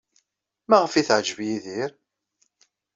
Maɣef ay teɛjeb Yidir?